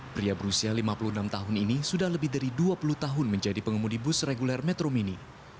pria berusia lima puluh enam tahun ini sudah lebih dari dua puluh tahun menjadi pengemudi bus reguler metro mini